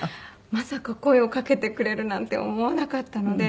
まさか声をかけてくれるなんて思わなかったので。